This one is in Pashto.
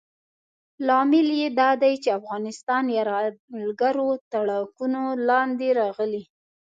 لامل یې دا دی چې افغانستان یرغلګرو تاړاکونو لاندې راغلی.